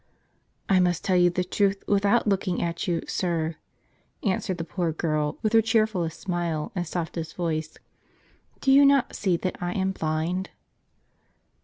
" I must tell you the truth without looking at you, sir," answered the poor girl, with her cheerfuUest smile and softest voice ; "do you not see that I am blind